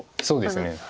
そうですね。